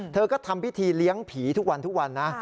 เธอก็ทำพิธีเลี้ยงผีทุกวันทุกวันนะ